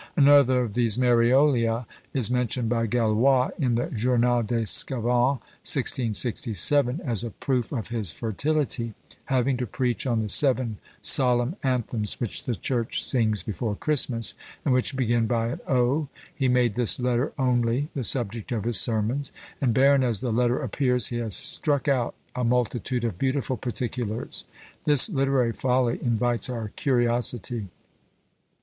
Another of these "Mariolia" is mentioned by Gallois in the Journal des Sçavans, 1667, as a proof of his fertility; having to preach on the seven solemn anthems which the Church sings before Christmas, and which begin by an O! he made this letter only the subject of his sermons, and barren as the letter appears, he has struck out "a multitude of beautiful particulars." This literary folly invites our curiosity.